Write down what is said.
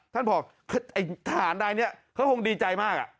ท่านบอกไอ้ทหารรายนี้เขาคงดีใจมาก